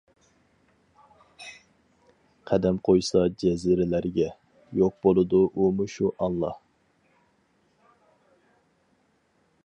قەدەم قويسا جەزىرىلەرگە، يوق بولىدۇ ئۇمۇ شۇ ئانلا.